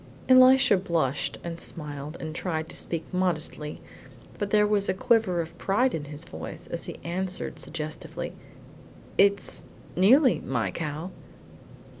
Elisha blushed and smiled, and tried to speak modestly, but there was a quiver of pride in his voice as he answered suggestively: "It's nearly my cow."